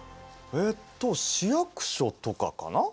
えと市役所とかかな？